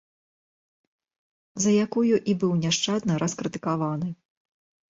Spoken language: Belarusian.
За якую і быў няшчадна раскрытыкаваны.